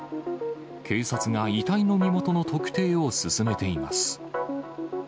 警察が遺体の身元の特定を進めています。